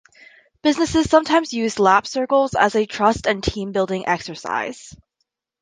Businesses sometimes use lap circles as a trust and team building exercise.